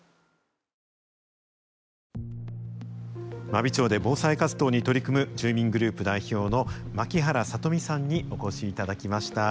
真備町で防災活動に取り組む住民グループ代表の槙原聡美さんにお越しいただきました。